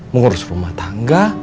mengurus rumah tangga